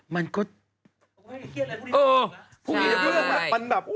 มันก็ใช่